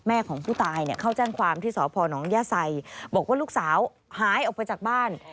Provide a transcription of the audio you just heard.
ของผู้ตายเข้าแจ้งความที่สพนย่าไซบอกว่าลูกสาวหายออกไปจากบ้าน